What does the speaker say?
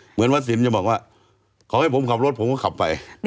วัดสินจะบอกว่าขอให้ผมขับรถผมก็ขับไป